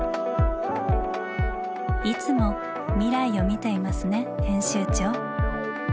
いつも未来を見ていますね編集長。